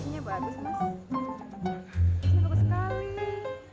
habisnya bagus sekali